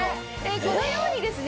このようにですね